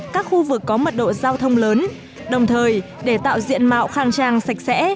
các khu vực có mật độ giao thông lớn đồng thời để tạo diện mạo khang trang sạch sẽ